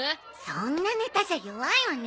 そんなネタじゃ弱いわね。